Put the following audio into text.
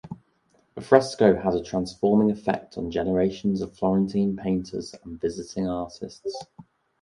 The fresco had a transforming effect on generations of Florentine painters and visiting artists.